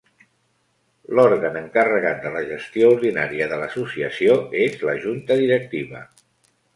L'òrgan encarregat de la gestió ordinària de l'associació és la Junta Directiva.